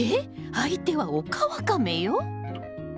相手はオカワカメよ。